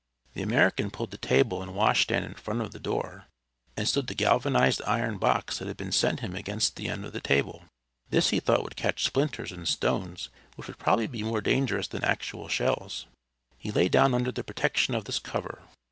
The American pulled the table and wash stand in front of the door, and stood the galvanized iron box that had been sent him against the end of the table; this he thought would catch splinters and stones which would probably be more dangerous than actual shells. He lay down under the protection of this cover.